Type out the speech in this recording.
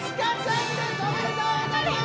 おめでとうございます！